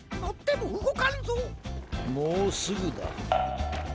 もうすぐだ。